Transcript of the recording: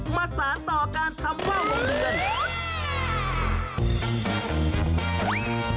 มาสารต่อการทำว่าวของเรือน